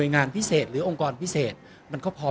ก็ต้องทำอย่างที่บอกว่าช่องคุณวิชากำลังทำอยู่นั่นนะครับ